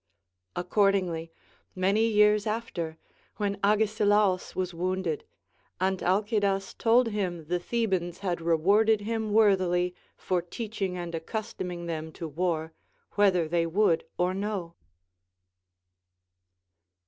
Accordingly, many years after, when Agesilaus was wound ed, Antalcidas told him the Thebans had rewarded him worthily for teaching and accustoming them to war, whether they would or no.